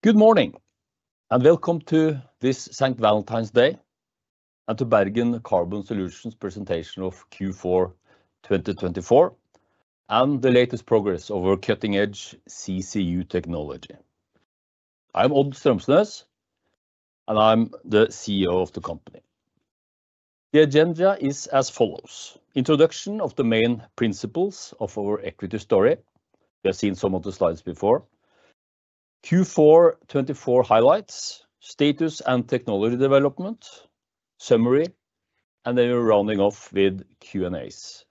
Good morning, and welcome to this St. Valentine's Day and to Bergen Carbon Solutions presentation of Q4 2024 and the latest progress over cutting-edge CCU technology. I'm Odd Strømsnes, and I'm the CEO of the company. The agenda is as follows: introduction of the main principles of our equity story. You have seen some of the slides before. Q4 2024 highlights, status and technology development, summary, and then we're rounding off with Q&As.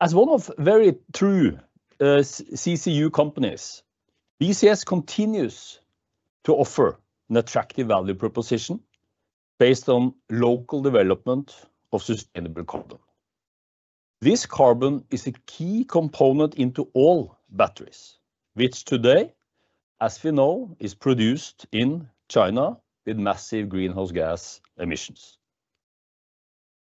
As one of very true CCU companies, BCS continues to offer an attractive value proposition based on local development of sustainable carbon. This carbon is a key component into all batteries, which today, as we know, is produced in China with massive greenhouse gas emissions.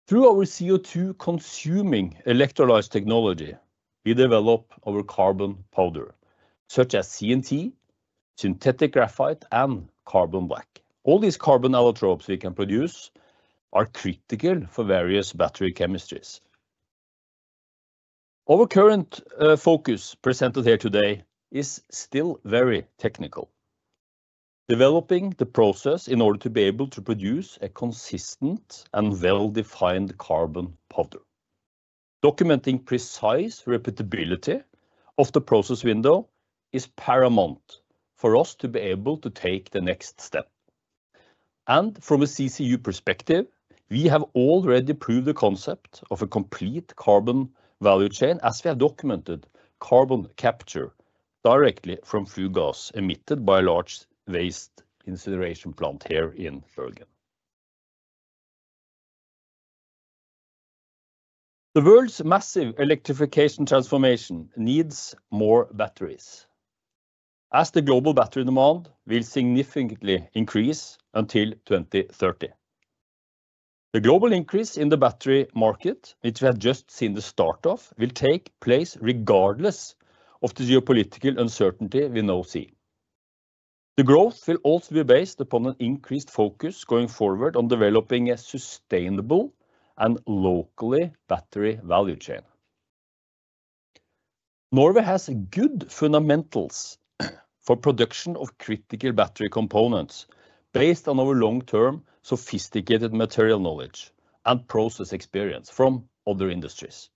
Through our CO2-consuming electrolysis technology, we develop our carbon powder, such as CNT, synthetic graphite, and carbon black. All these carbon electrodes we can produce are critical for various battery chemistries. Our current focus presented here today is still very technical: developing the process in order to be able to produce a consistent and well-defined carbon powder. Documenting precise repeatability of the process window is paramount for us to be able to take the next step. From a CCU perspective, we have already proved the concept of a complete carbon value chain, as we have documented carbon capture directly from fuel gas emitted by a large waste incineration plant here in Bergen. The world's massive electrification transformation needs more batteries, as the global battery demand will significantly increase until 2030. The global increase in the battery market, which we have just seen the start of, will take place regardless of the geopolitical uncertainty we now see. The growth will also be based upon an increased focus going forward on developing a sustainable and locally valued battery value chain. Norway has good fundamentals for production of critical battery components based on our long-term sophisticated material knowledge and process experience from other industries.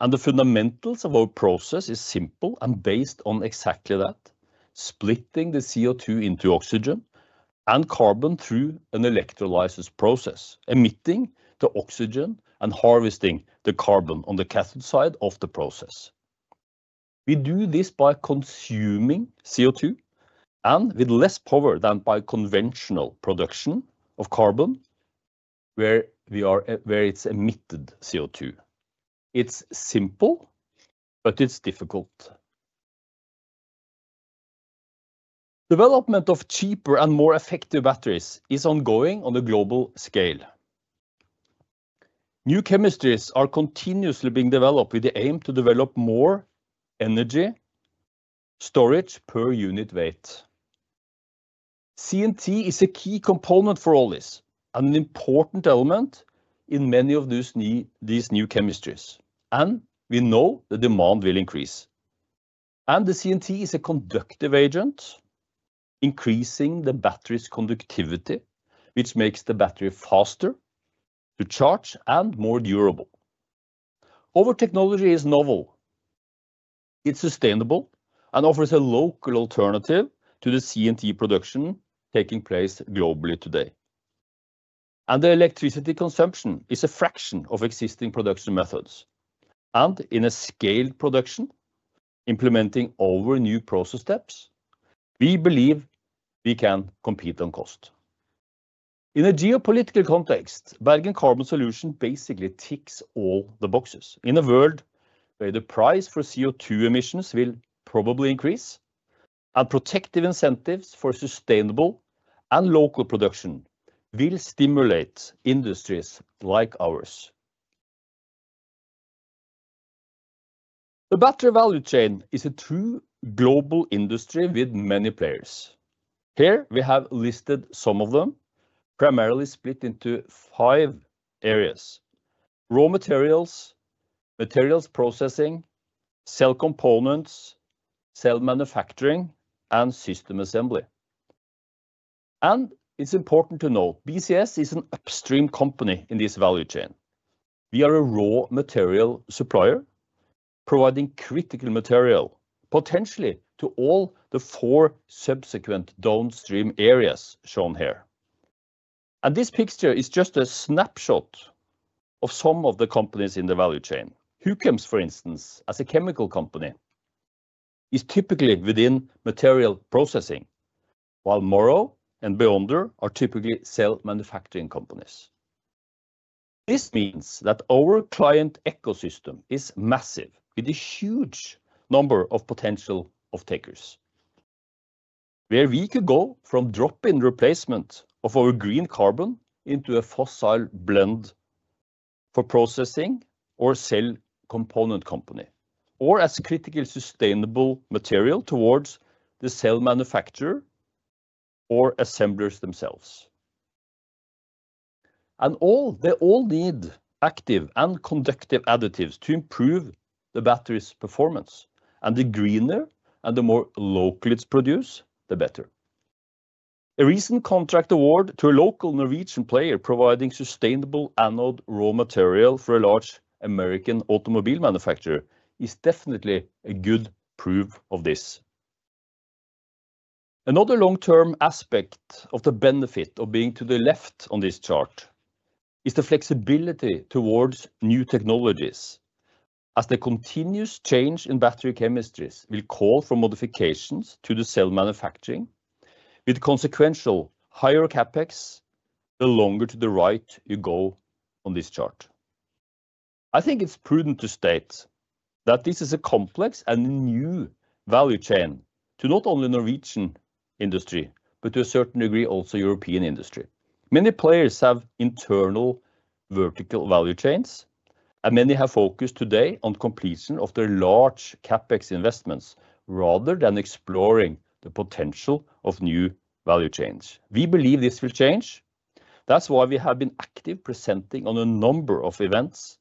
The fundamentals of our process are simple and based on exactly that: splitting the CO2 into oxygen and carbon through an electrolysis process, emitting the oxygen and harvesting the carbon on the cathode side of the process. We do this by consuming CO2 and with less power than by conventional production of carbon where it emits CO2. It is simple, but it is difficult. Development of cheaper and more effective batteries is ongoing on a global scale. New chemistries are continuously being developed with the aim to develop more energy storage per unit weight. CNT is a key component for all this and an important element in many of these new chemistries, and we know the demand will increase. The CNT is a conductive agent, increasing the battery's conductivity, which makes the battery faster to charge and more durable. Our technology is novel. It is sustainable and offers a local alternative to the CNT production taking place globally today. The electricity consumption is a fraction of existing production methods. In a scaled production, implementing our new process steps, we believe we can compete on cost. In a geopolitical context, Bergen Carbon Solutions basically ticks all the boxes in a world where the price for CO2 emissions will probably increase, and protective incentives for sustainable and local production will stimulate industries like ours. The battery value chain is a true global industry with many players. Here we have listed some of them, primarily split into five areas: raw materials, materials processing, cell components, cell manufacturing, and system assembly. It is important to note BCS is an upstream company in this value chain. We are a raw material supplier, providing critical material, potentially to all the four subsequent downstream areas shown here. This picture is just a snapshot of some of the companies in the value chain. Huchems, for instance, as a chemical company, is typically within material processing, while Morrow and Beyonder are typically cell manufacturing companies. This means that our client ecosystem is massive, with a huge number of potential off-takers, where we could go from drop-in replacement of our green carbon into a fossil blend for processing or cell component company, or as critical sustainable material towards the cell manufacturer or assemblers themselves. They all need active and conductive additives to improve the battery's performance, and the greener and the more locally it is produced, the better. A recent contract award to a local Norwegian player providing sustainable anode raw material for a large American automobile manufacturer is definitely a good proof of this. Another long-term aspect of the benefit of being to the left on this chart is the flexibility towards new technologies, as the continuous change in battery chemistries will call for modifications to the cell manufacturing, with consequential higher CapEx the longer to the right you go on this chart. I think it's prudent to state that this is a complex and new value chain to not only the Norwegian industry, but to a certain degree also European industry. Many players have internal vertical value chains, and many have focused today on completion of their large CapEx investments rather than exploring the potential of new value chains. We believe this will change. That's why we have been active presenting on a number of events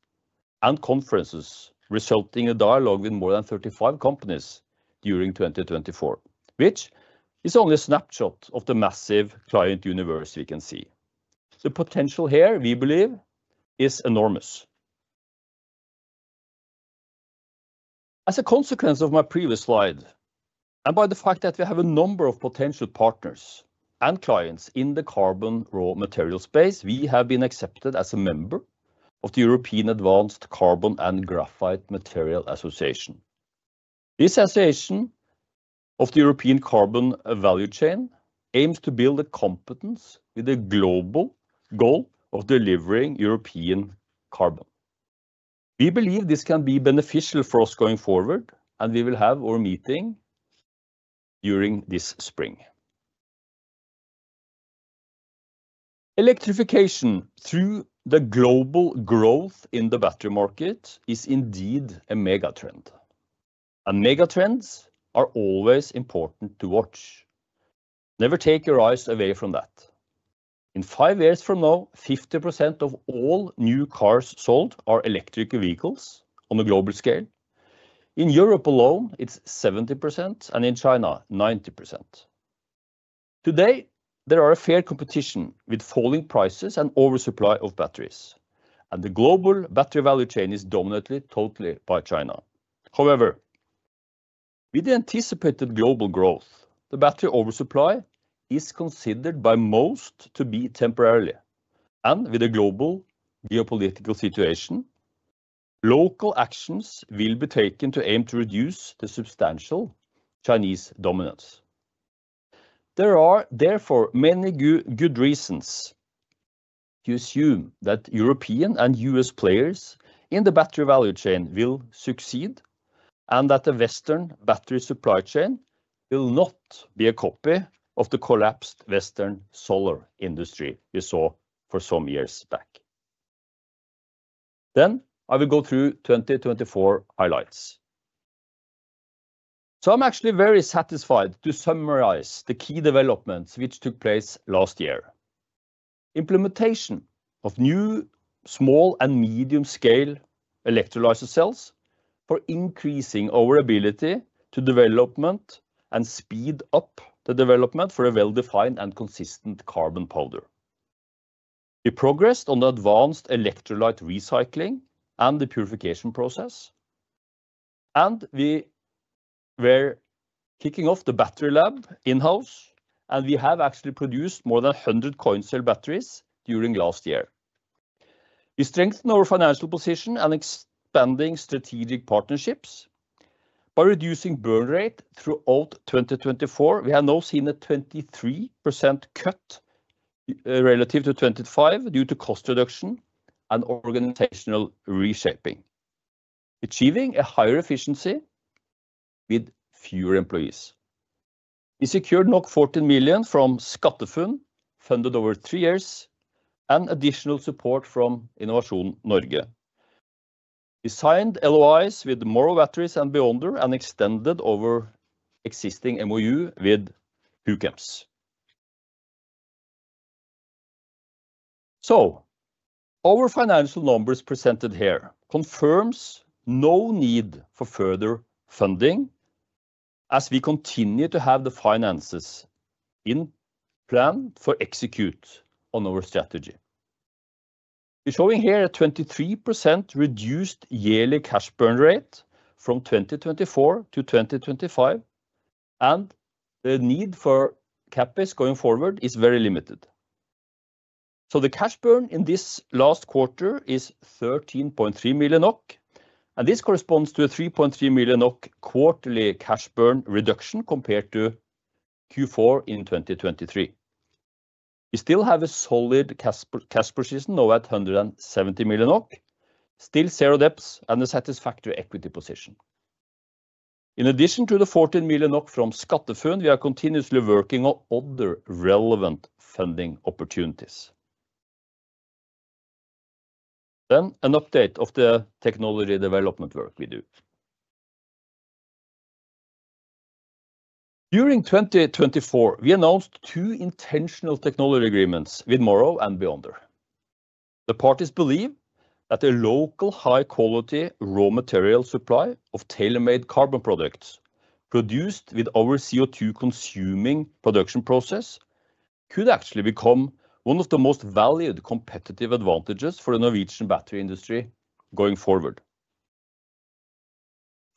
and conferences, resulting in a dialogue with more than 35 companies during 2024, which is only a snapshot of the massive client universe we can see. The potential here, we believe, is enormous. As a consequence of my previous slide, and by the fact that we have a number of potential partners and clients in the carbon raw material space, we have been accepted as a member of the European Advanced Carbon and Graphite Material Association. This association of the European carbon value chain aims to build a competence with a global goal of delivering European carbon. We believe this can be beneficial for us going forward, and we will have our meeting during this spring. Electrification through the global growth in the battery market is indeed a mega trend, and mega trends are always important to watch. Never take your eyes away from that. In five years from now, 50% of all new cars sold are electric vehicles on a global scale. In Europe alone, it's 70%, and in China, 90%. Today, there is a fair competition with falling prices and oversupply of batteries, and the global battery value chain is dominantly totally by China. However, with the anticipated global growth, the battery oversupply is considered by most to be temporary, and with the global geopolitical situation, local actions will be taken to aim to reduce the substantial Chinese dominance. There are therefore many good reasons to assume that European and U.S. players in the battery value chain will succeed and that the Western battery supply chain will not be a copy of the collapsed Western solar industry we saw for some years back. I will go through 2024 highlights. I'm actually very satisfied to summarize the key developments which took place last year: implementation of new small and medium-scale electrolyzer cells for increasing our ability to develop and speed up the development for a well-defined and consistent carbon powder. We progressed on the advanced electrolyte recycling and the purification process, and we were kicking off the battery lab in-house, and we have actually produced more than 100 coin cell batteries during last year. We strengthened our financial position and expanded strategic partnerships. By reducing burn rate throughout 2024, we have now seen a 23% cut relative to 25% due to cost reduction and organizational reshaping, achieving a higher efficiency with fewer employees. We secured NOK 14 million from SkatteFUNN funded over three years and additional support from Innovasjon Norge. We signed LOIs with Morrow Batteries and Beyonder and extended our existing MoU with Huchems. Our financial numbers presented here confirm no need for further funding, as we continue to have the finances in plan for execute on our strategy. We are showing here a 23% reduced yearly cash burn rate from 2024 to 2025, and the need for CapEx going forward is very limited. The cash burn in this last quarter is 13.3 million NOK, and this corresponds to a 3.3 million NOK quarterly cash burn reduction compared to Q4 in 2023. We still have a solid cash position now at 170 million, still zero debts, and a satisfactory equity position. In addition to the 14 million from SkatteFUNN, we are continuously working on other relevant funding opportunities. An update of the technology development work we do. During 2024, we announced two intentional technology agreements with Morrow and Beyonder. The parties believe that a local high-quality raw material supply of tailor-made carbon products produced with our CO2-consuming production process could actually become one of the most valued competitive advantages for the Norwegian battery industry going forward.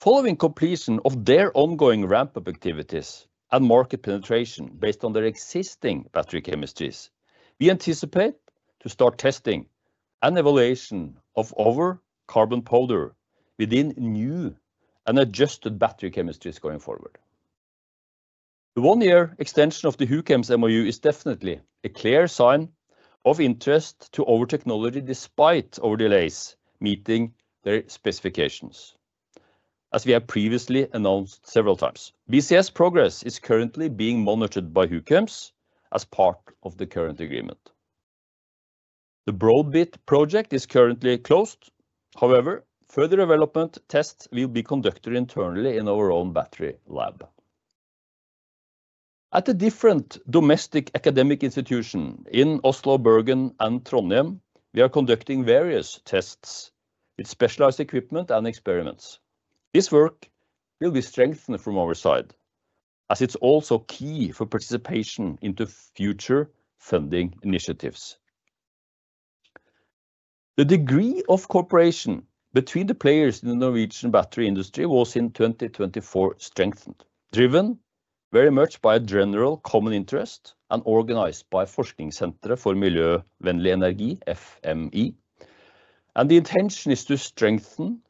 Following completion of their ongoing ramp-up activities and market penetration based on their existing battery chemistries, we anticipate to start testing and evaluation of our carbon powder within new and adjusted battery chemistries going forward. The one-year extension of the Huchems MoU is definitely a clear sign of interest to our technology despite our delays meeting their specifications, as we have previously announced several times. BCS progress is currently being monitored by Huchems as part of the current agreement. The BroadBit project is currently closed. However, further development tests will be conducted internally in our own battery lab. At a different domestic academic institution in Oslo, Bergen, and Trondheim, we are conducting various tests with specialized equipment and experiments. This work will be strengthened from our side, as it's also key for participation into future funding initiatives. The degree of cooperation between the players in the Norwegian battery industry was in 2024 strengthened, driven very much by a general common interest and organized by Forskningssentrene for Miljøvennlig Energi (FME). The intention is to strengthen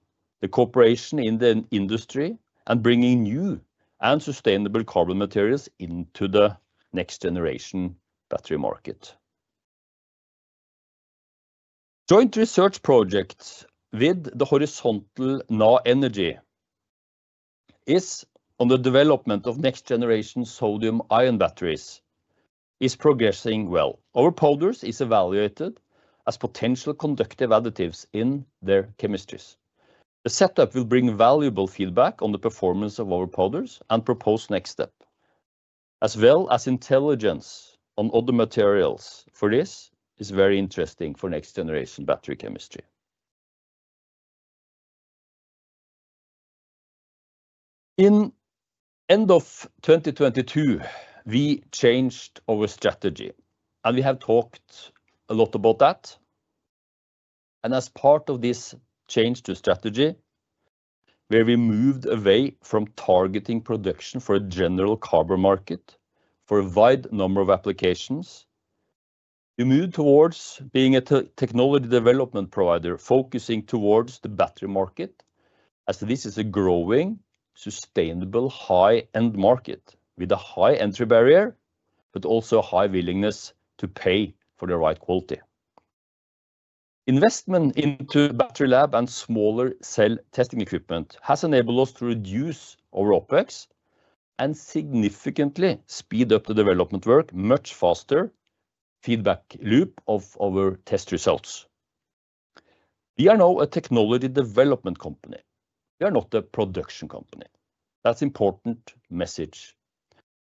the cooperation in the industry and bring new and sustainable carbon materials into the next-generation battery market. Joint research project with the Horisont Energi is on the development of next-generation sodium-ion batteries is progressing well. Our powders are evaluated as potential conductive additives in their chemistries. The setup will bring valuable feedback on the performance of our powders and proposed next step, as well as intelligence on other materials for this is very interesting for next-generation battery chemistry. In the end of 2022, we changed our strategy, and we have talked a lot about that. As part of this change to strategy, where we moved away from targeting production for a general carbon market for a wide number of applications, we moved towards being a technology development provider focusing towards the battery market, as this is a growing sustainable high-end market with a high entry barrier, but also a high willingness to pay for the right quality. Investment into battery lab and smaller cell testing equipment has enabled us to reduce our OpEx and significantly speed up the development work much faster. Feedback loop of our test results. We are now a technology development company. We are not a production company. That's an important message.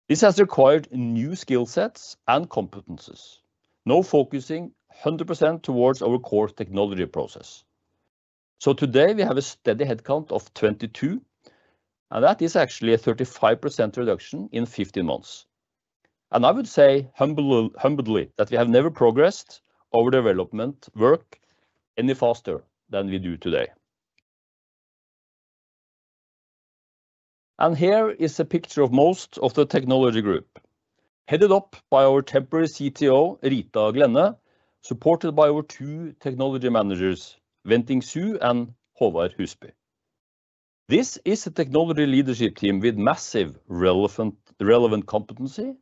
This has required new skill sets and competences, now focusing 100% towards our core technology process. Today we have a steady headcount of 22, and that is actually a 35% reduction in 15 months. I would say humbly that we have never progressed our development work any faster than we do today. Here is a picture of most of the technology group, headed up by our temporary CTO, Rita Glenne, supported by our two technology managers, Wenjing Su and Håvard Husby. This is a technology leadership team with massive relevant competency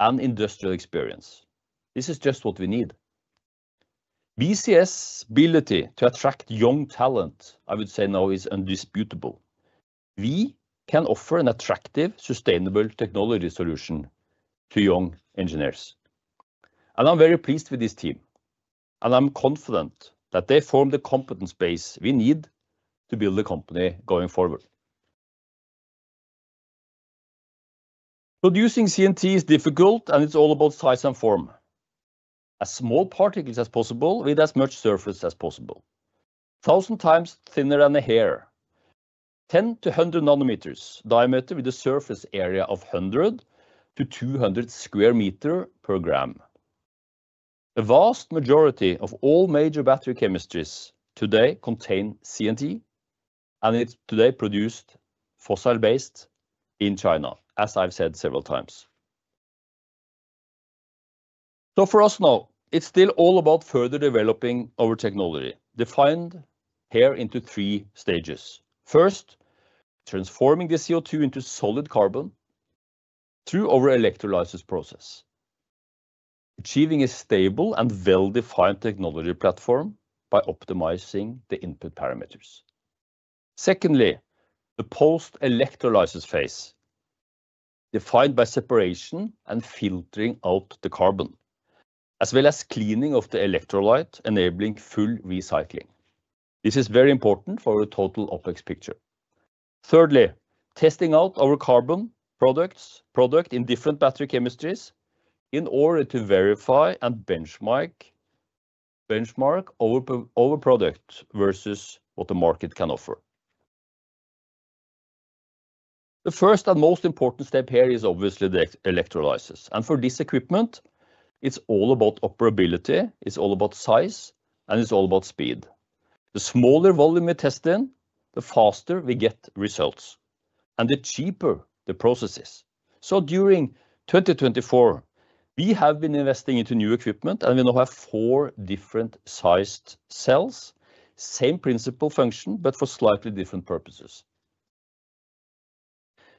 and industrial experience. This is just what we need. BCS' ability to attract young talent, I would say now is undisputable. We can offer an attractive, sustainable technology solution to young engineers. I'm very pleased with this team, and I'm confident that they form the competence base we need to build a company going forward. Producing CNT is difficult, and it's all about size and form. As small particles as possible, with as much surface as possible. Thousand times thinner than a hair. 10-100 nanometers diameter with a surface area of 100-200 square meters per gram. The vast majority of all major battery chemistries today contain CNT, and it's today produced fossil-based in China, as I've said several times. For us now, it's still all about further developing our technology, defined here into three stages. First, transforming the CO2 into solid carbon through our electrolysis process, achieving a stable and well-defined technology platform by optimizing the input parameters. Secondly, the post-electrolysis phase, defined by separation and filtering out the carbon, as well as cleaning of the electrolyte, enabling full recycling. This is very important for our total OpEx picture. Thirdly, testing out our carbon products in different battery chemistries in order to verify and benchmark our product versus what the market can offer. The first and most important step here is obviously the electrolysis. For this equipment, it's all about operability, it's all about size, and it's all about speed. The smaller volume we test in, the faster we get results, and the cheaper the process is. During 2024, we have been investing into new equipment, and we now have four different-sized cells, same principal function, but for slightly different purposes.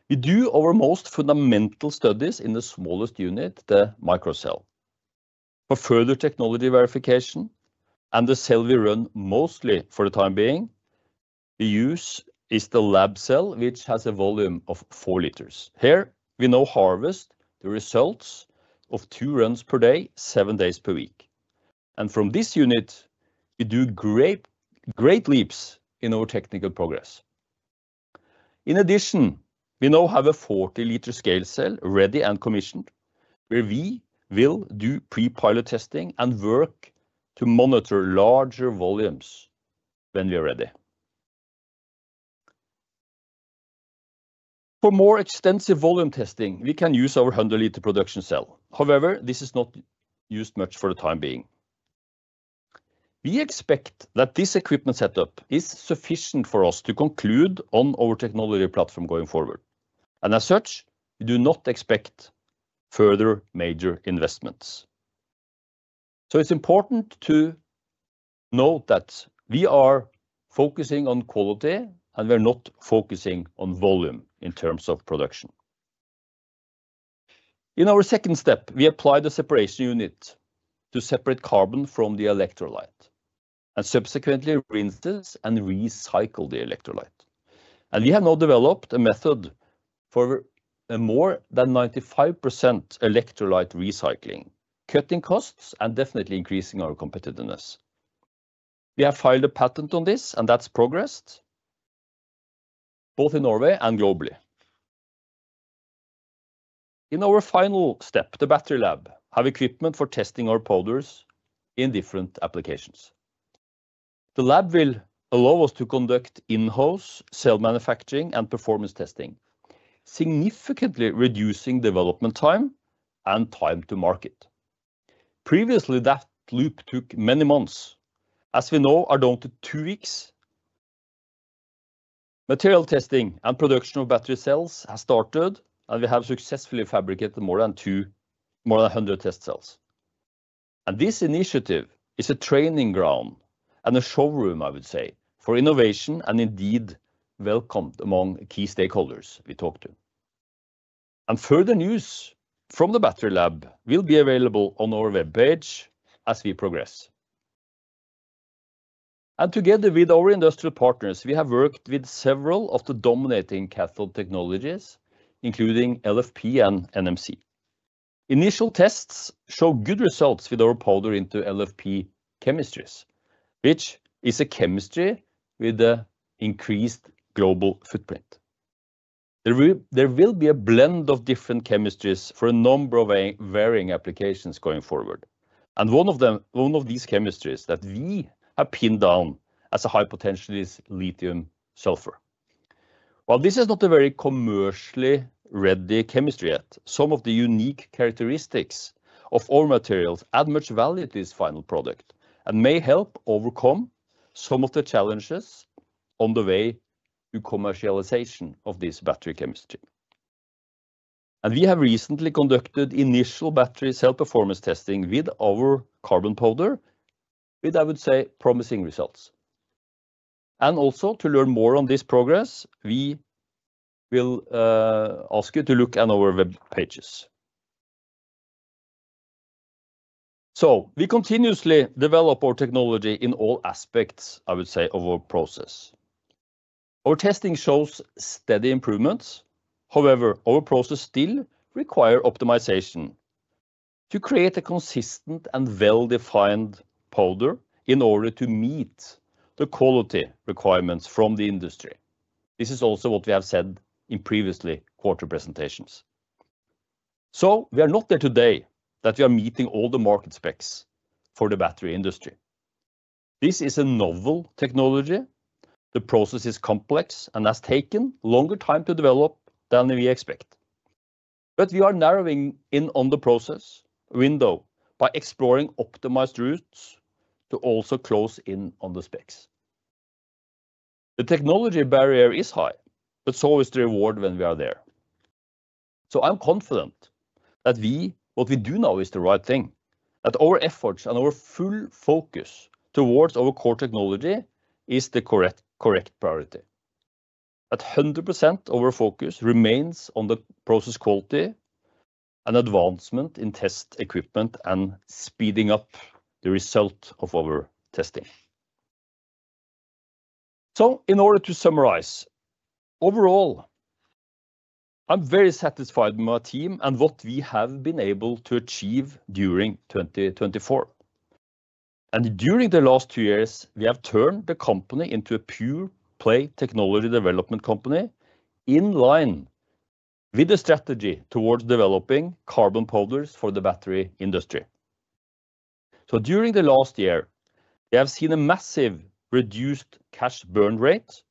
We do our most fundamental studies in the smallest unit, the micro cell. For further technology verification, and the cell we run mostly for the time being, we use is the lab cell, which has a volume of 4 liters. Here we now harvest the results of two runs per day, seven days per week. From this unit, we do great leaps in our technical progress. In addition, we now have a 40-liter scale cell ready and commissioned, where we will do pre-pilot testing and work to monitor larger volumes when we are ready. For more extensive volume testing, we can use our 100-liter production cell. However, this is not used much for the time being. We expect that this equipment setup is sufficient for us to conclude on our technology platform going forward. As such, we do not expect further major investments. It is important to note that we are focusing on quality and we are not focusing on volume in terms of production. In our second step, we apply the separation unit to separate carbon from the electrolyte and subsequently rinse and recycle the electrolyte. We have now developed a method for more than 95% electrolyte recycling, cutting costs and definitely increasing our competitiveness. We have filed a patent on this, and that has progressed both in Norway and globally. In our final step, the battery lab has equipment for testing our powders in different applications. The lab will allow us to conduct in-house cell manufacturing and performance testing, significantly reducing development time and time to market. Previously, that loop took many months, as we now are down to two weeks. Material testing and production of battery cells has started, and we have successfully fabricated more than 200 test cells. This initiative is a training ground and a showroom, I would say, for innovation and indeed welcomed among key stakeholders we talk to. Further news from the battery lab will be available on our web page as we progress. Together with our industrial partners, we have worked with several of the dominating cathode technologies, including LFP and NMC. Initial tests show good results with our powder into LFP chemistries, which is a chemistry with an increased global footprint. There will be a blend of different chemistries for a number of varying applications going forward. One of these chemistries that we have pinned down as a high potential is lithium sulfur. While this is not a very commercially ready chemistry yet, some of the unique characteristics of our materials add much value to this final product and may help overcome some of the challenges on the way to commercialization of this battery chemistry. We have recently conducted initial battery cell performance testing with our carbon powder, with, I would say, promising results. To learn more on this progress, we will ask you to look at our web pages. We continuously develop our technology in all aspects, I would say, of our process. Our testing shows steady improvements. However, our process still requires optimization to create a consistent and well-defined powder in order to meet the quality requirements from the industry. This is also what we have said in previously quarter presentations. We are not there today that we are meeting all the market specs for the battery industry. This is a novel technology. The process is complex and has taken longer time to develop than we expect. We are narrowing in on the process window by exploring optimized routes to also close in on the specs. The technology barrier is high, but so is the reward when we are there. I am confident that what we do now is the right thing, that our efforts and our full focus towards our core technology is the correct priority. At 100%, our focus remains on the process quality and advancement in test equipment and speeding up the result of our testing. In order to summarize overall, I am very satisfied with my team and what we have been able to achieve during 2024. During the last two years, we have turned the company into a pure play technology development company in line with the strategy towards developing carbon powders for the battery industry. During the last year, we have seen a massive reduced cash burn rate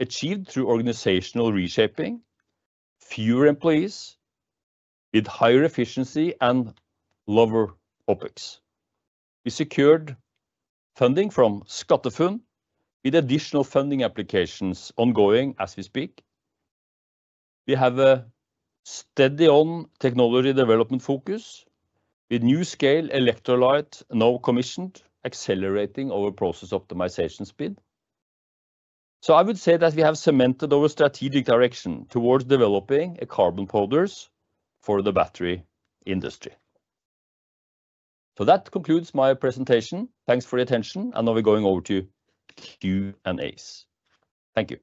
achieved through organizational reshaping, fewer employees with higher efficiency and lower OpEx. We secured funding from SkatteFUNN with additional funding applications ongoing as we speak. We have a steady technology development focus with new scale electrolyte now commissioned, accelerating our process optimization speed. I would say that we have cemented our strategic direction towards developing carbon powders for the battery industry. That concludes my presentation. Thanks for the attention. Now we're going over to Q&As. Thank you.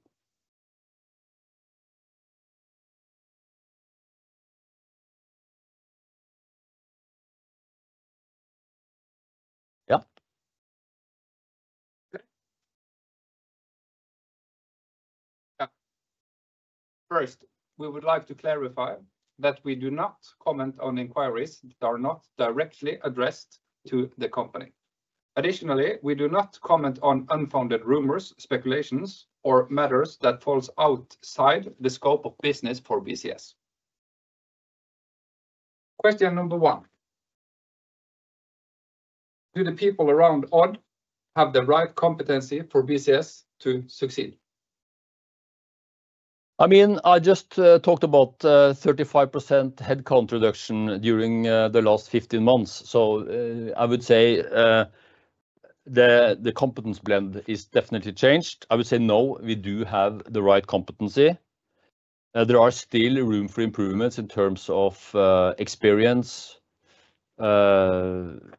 First, we would like to clarify that we do not comment on inquiries that are not directly addressed to the company. Additionally, we do not comment on unfounded rumors, speculations, or matters that fall outside the scope of business for BCS. Question number one. Do the people around Odd have the right competency for BCS to succeed? I mean, I just talked about 35% headcount reduction during the last 15 months. I would say the competence blend is definitely changed. I would say no, we do have the right competency. There are still room for improvements in terms of experience, relevant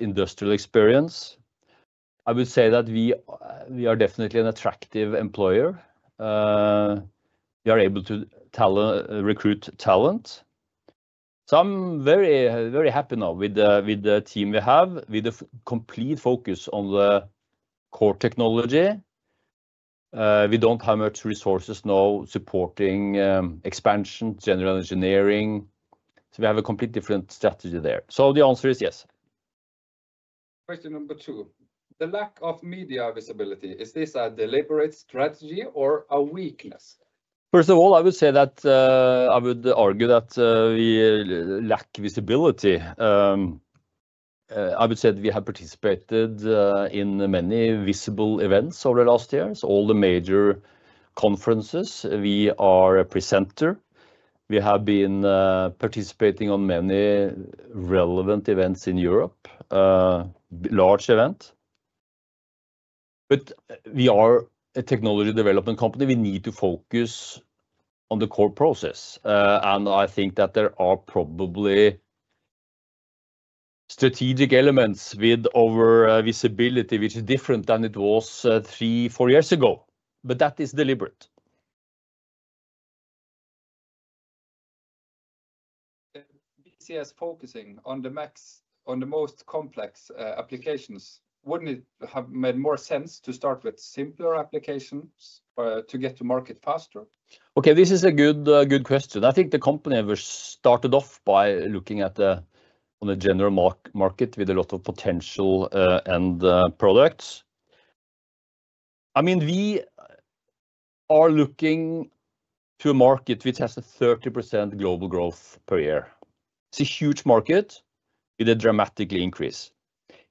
industrial experience. I would say that we are definitely an attractive employer. We are able to recruit talent. I am very, very happy now with the team we have, with a complete focus on the core technology. We do not have much resources now supporting expansion, general engineering. We have a completely different strategy there. The answer is yes. Question number two. The lack of media visibility, is this a deliberate strategy or a weakness? First of all, I would say that I would argue that we lack visibility. I would say that we have participated in many visible events over the last years, all the major conferences. We are a presenter. We have been participating in many relevant events in Europe, large events. We are a technology development company. We need to focus on the core process. I think that there are probably strategic elements with our visibility, which is different than it was three, four years ago. That is deliberate. BCS focusing on the most complex applications, wouldn't it have made more sense to start with simpler applications to get to market faster? Okay, this is a good question. I think the company ever started off by looking at the general market with a lot of potential and products. I mean, we are looking to a market with just a 30% global growth per year. It's a huge market with a dramatic increase.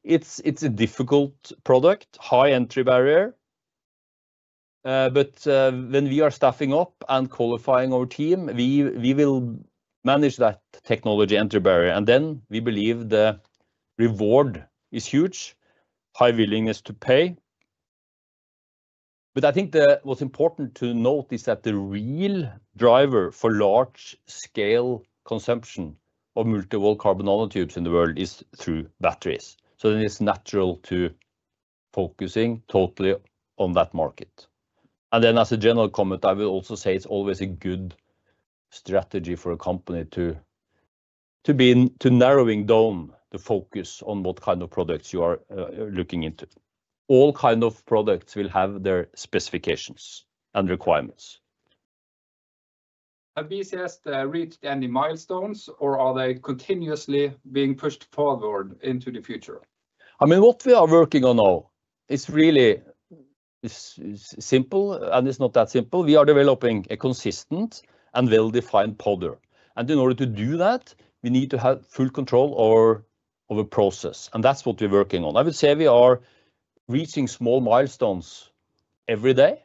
It's a difficult product, high entry barrier. When we are staffing up and qualifying our team, we will manage that technology entry barrier. I think the reward is huge, high willingness to pay. I think what's important to note is that the real driver for large-scale consumption of multiple carbon nanotubes in the world is through batteries. It is natural to focusing totally on that market. As a general comment, I will also say it's always a good strategy for a company to be narrowing down the focus on what kind of products you are looking into. All kinds of products will have their specifications and requirements. Have BCS reached any milestones, or are they continuously being pushed forward into the future? I mean, what we are working on now is really simple, and it's not that simple. We are developing a consistent and well-defined powder. In order to do that, we need to have full control over the process. That is what we're working on. I would say we are reaching small milestones every day.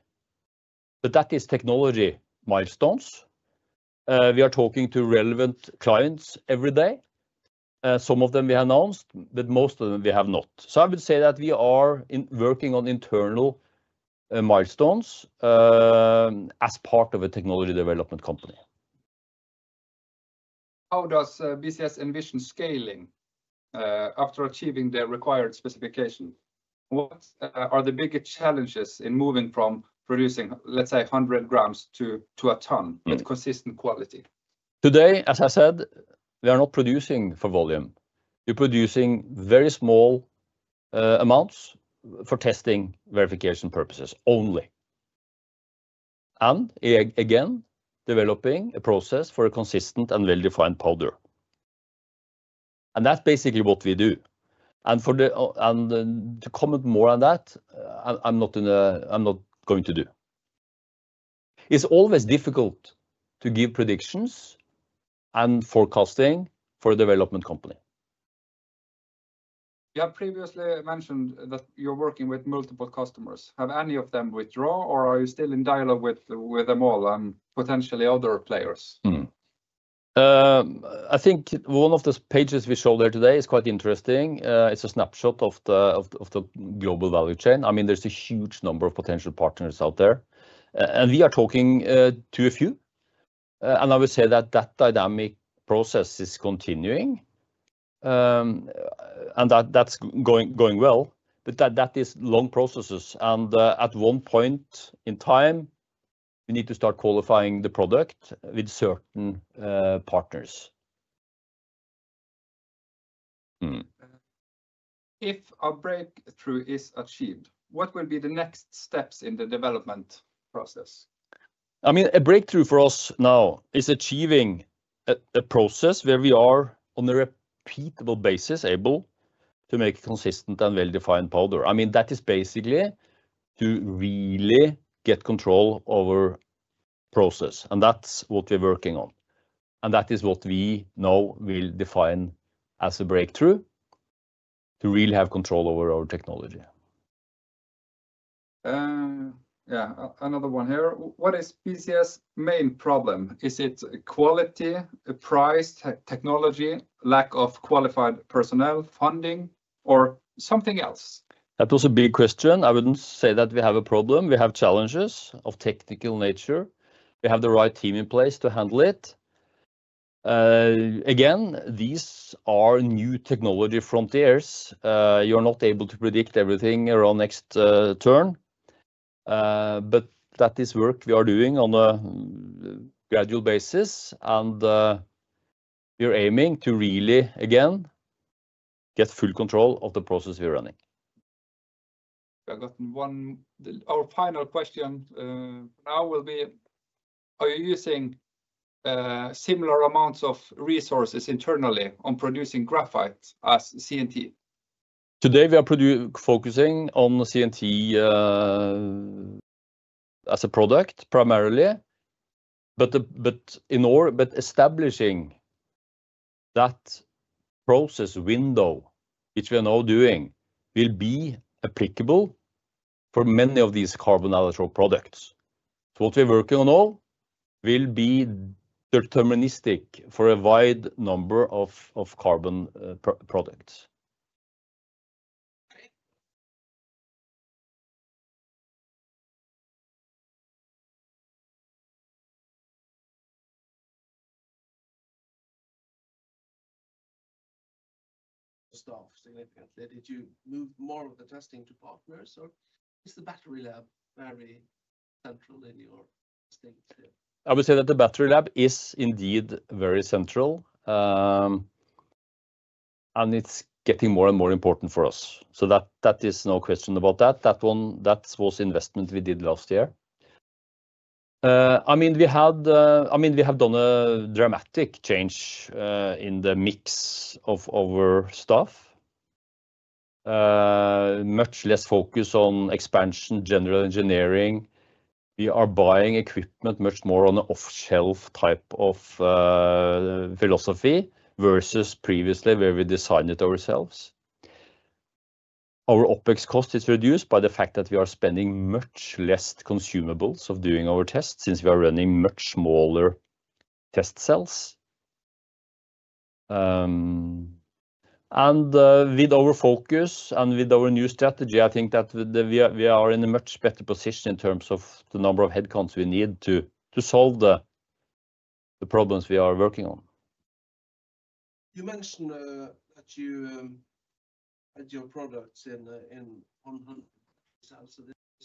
That is technology milestones. We are talking to relevant clients every day. Some of them we have announced, but most of them we have not. I would say that we are working on internal milestones as part of a technology development company. How does BCS envision scaling after achieving the required specification? What are the biggest challenges in moving from producing, let's say, 100 grams to a ton with consistent quality? Today, as I said, we are not producing for volume. We're producing very small amounts for testing verification purposes only. Again, developing a process for a consistent and well-defined powder. That's basically what we do. To comment more on that, I'm not going to do. It's always difficult to give predictions and forecasting for a development company. You have previously mentioned that you're working with multiple customers. Have any of them withdrawn, or are you still in dialogue with them all and potentially other players? I think one of the pages we showed there today is quite interesting. It's a snapshot of the global value chain. I mean, there's a huge number of potential partners out there. We are talking to a few. I would say that that dynamic process is continuing. That's going well. That is long processes. At one point in time, we need to start qualifying the product with certain partners. If a breakthrough is achieved, what will be the next steps in the development process? I mean, a breakthrough for us now is achieving a process where we are on a repeatable basis able to make a consistent and well-defined powder. I mean, that is basically to really get control over process. That's what we're working on. That is what we now will define as a breakthrough, to really have control over our technology. Yeah, another one here. What is BCS' main problem? Is it quality, price, technology, lack of qualified personnel, funding, or something else? That was a big question. I wouldn't say that we have a problem. We have challenges of technical nature. We have the right team in place to handle it. Again, these are new technology frontiers. You're not able to predict everything around next turn. That is work we are doing on a gradual basis. We're aiming to really, again, get full control of the process we're running. We have gotten one. Our final question now will be, are you using similar amounts of resources internally on producing graphite as CNT? Today, we are focusing on CNT as a product primarily. Establishing that process window, which we are now doing, will be applicable for many of these carbon electrode products. What we're working on now will be deterministic for a wide number of carbon products. Did you move more of the testing to partners, or is the battery lab very central in your testing? I would say that the battery lab is indeed very central. It is getting more and more important for us. There is no question about that. That was investment we did last year. I mean, we have done a dramatic change in the mix of our staff. Much less focus on expansion, general engineering. We are buying equipment much more on an off-shelf type of philosophy versus previously where we designed it ourselves. Our OpEx cost is reduced by the fact that we are spending much less consumables of doing our tests since we are running much smaller test cells. With our focus and with our new strategy, I think that we are in a much better position in terms of the number of headcounts we need to solve the problems we are working on. You mentioned that you had your products in 100 cells.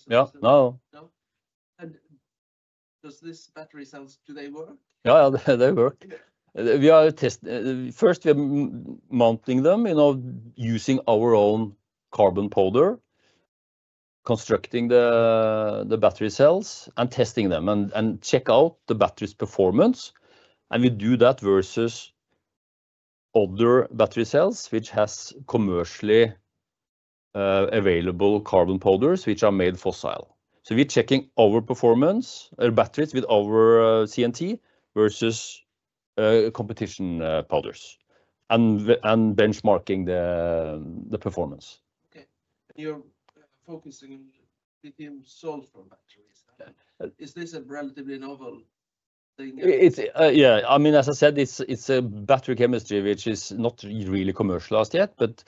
Yeah, now. Do these battery cells, do they work? Yeah, they work. First, we are mounting them using our own carbon powder, constructing the battery cells and testing them and checking out the battery's performance. We do that versus other battery cells, which have commercially available carbon powders, which are made fossil. We are checking our performance or batteries with our CNT versus competition powders and benchmarking the performance. Okay. You are focusing on lithium-sulfur batteries. Is this a relatively novel thing? Yeah, I mean, as I said, it is a battery chemistry, which is not really commercialized yet, but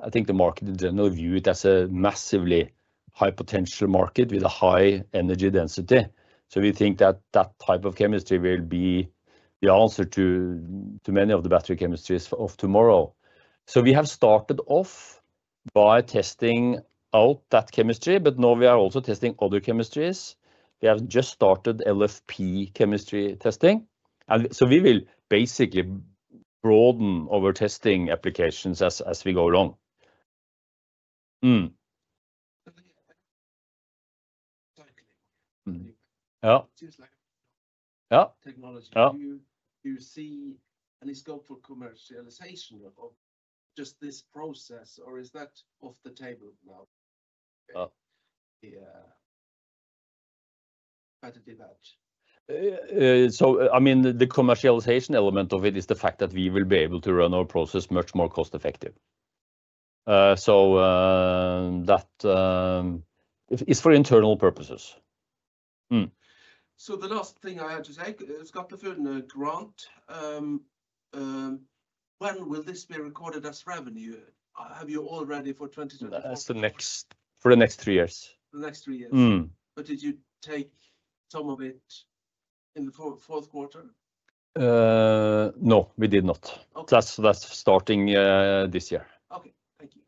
I think the market in general views it as a massively high-potential market with a high energy density. We think that that type of chemistry will be the answer to many of the battery chemistries of tomorrow. We have started off by testing out that chemistry, but now we are also testing other chemistries. We have just started LFP chemistry testing. We will basically broaden our testing applications as we go along. Yeah. Do you see any scope for commercialization of just this process, or is that off the table now? How to do that? I mean, the commercialization element of it is the fact that we will be able to run our process much more cost-effective. That is for internal purposes. The last thing I had to SkatteFUNN grant, when will this be recorded as revenue? Have you already for 2024? For the next three years. For the next three years. Did you take some of it in the fourth quarter? No, we did not. That is starting this year. Okay. Thank you.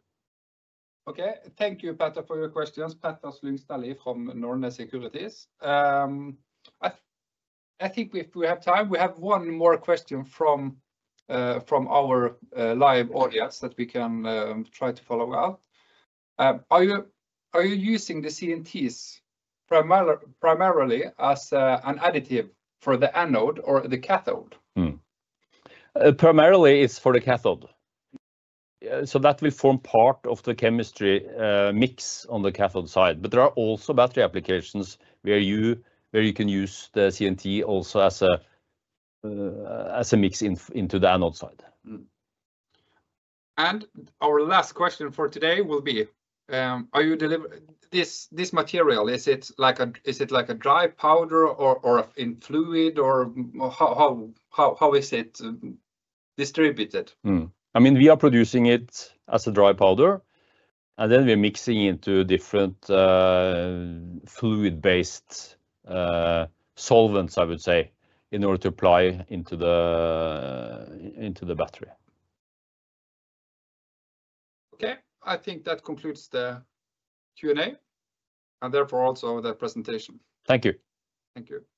Okay. Thank you, Petter, for your questions. Petter Slyngstadli from Norne Securities. I think if we have time, we have one more question from our live audience that we can try to follow up. Are you using the CNTs primarily as an additive for the anode or the cathode? Primarily, it's for the cathode. That will form part of the chemistry mix on the cathode side. There are also battery applications where you can use the CNT also as a mix into the anode side. Our last question for today will be, are you delivering this material? Is it like a dry powder or in fluid, or how is it distributed? I mean, we are producing it as a dry powder, and then we're mixing it into different fluid-based solvents, I would say, in order to apply into the battery. Okay. I think that concludes the Q&A and therefore also the presentation. Thank you. Thank you.